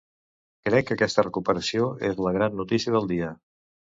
Crec que aquesta recuperació és la gran notícia del dia.